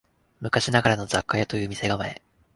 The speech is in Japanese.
昔ながらの雑貨屋という店構え